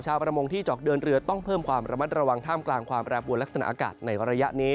ประมงที่เจาะเดินเรือต้องเพิ่มความระมัดระวังท่ามกลางความแปรปวดลักษณะอากาศในระยะนี้